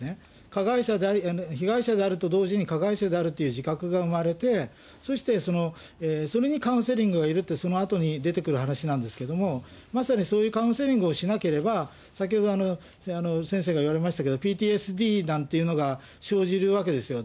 加害者であり、被害者であると同時に加害者であるという自覚が生まれて、そしてそれにカウンセリングがいるってスマートに出てくる話なんですけれども、まさにそういうカウンセリングをしなければ、先ほど先生が言われましたけど、ＰＴＳＤなんだっていうのが生じるわけですよ。